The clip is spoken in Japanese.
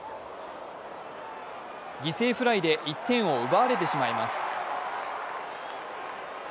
犠牲フライで１点を奪われてしまいます。